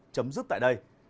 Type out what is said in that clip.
chấm dứt tại đây